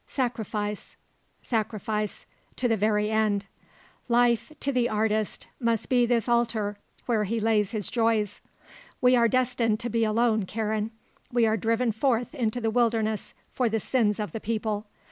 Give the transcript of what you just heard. Sacrifice: sacrifice: to the very end. Life, to the artist, must be this altar where he lays his joys. We are destined to be alone, Karen. We are driven forth into the wilderness for the sins of the people.